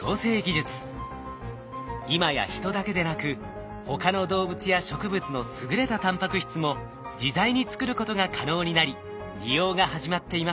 今や人だけでなく他の動物や植物の優れたタンパク質も自在に作ることが可能になり利用が始まっています。